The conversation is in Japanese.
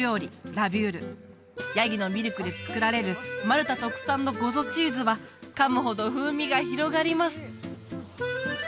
ラビュールヤギのミルクで作られるマルタ特産のゴゾチーズは噛むほど風味が広がります